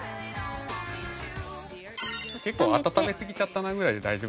結構温めすぎちゃったなぐらいで大丈夫。